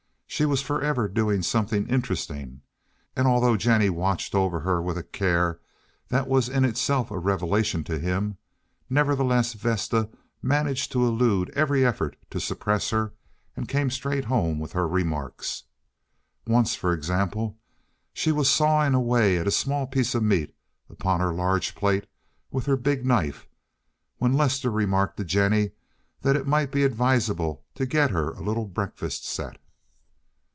She was forever doing something interesting, and although Jennie watched over her with a care that was in itself a revelation to him, nevertheless Vesta managed to elude every effort to suppress her and came straight home with her remarks. Once, for example, she was sawing away at a small piece of meat upon her large plate with her big knife, when Lester remarked to Jennie that it might be advisable to get her a little breakfast set.